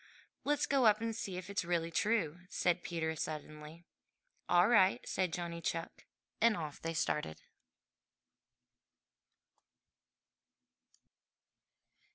'' "Let's go up and see if it really is true!" said Peter suddenly. "All right," said Johnny Chuck, and off they started.